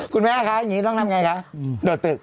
คุณแม่คะอย่างนี้ต้องทำไงคะโดดตึก